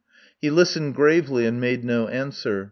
He listened gravely and made no answer.